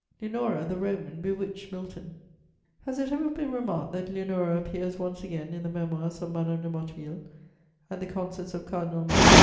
Leonora, the Roman, bewitched Milton. Has it ever been remarked that Leonora appears once again in the Memoirs of Madame de Motteville, at the concerts of Cardinal Mazarin?